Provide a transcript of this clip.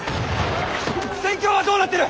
戦況はどうなっている？